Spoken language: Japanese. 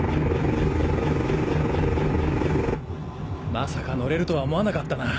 まさか乗れるとは思わなかったな。